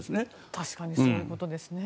確かにそういうことですね。